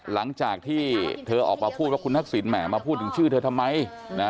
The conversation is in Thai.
หลังจากที่เธอออกมาพูดว่าคุณทักษิณแหมมาพูดถึงชื่อเธอทำไมนะ